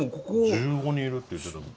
１５人いるって言ってたけど。